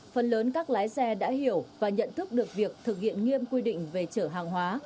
phần lớn các lái xe đã hiểu và nhận thức được việc thực hiện nghiêm quy định về chở hàng hóa